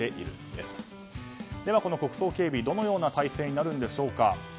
では国葬警備、どのような体制になるのでしょうか。